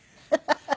ハハハハ。